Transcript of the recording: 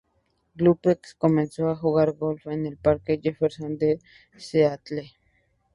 Couples comenzó a jugar al golf en el parque Jefferson de Seattle.